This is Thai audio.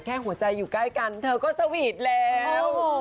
หัวใจอยู่ใกล้กันเธอก็สวีทแล้ว